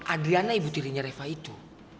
adriana ibu tirinya reva itu